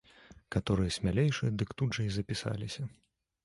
Каторыя смялейшыя, дык тут жа і запісаліся.